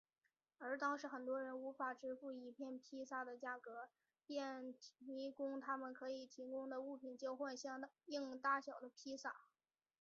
而当时很多人无法支付一片披萨的价格便提供他们可以提供的物品交换相应大小的披萨。